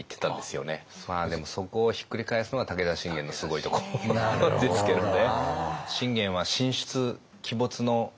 まあでもそこをひっくり返すのが武田信玄のすごいところですけどね。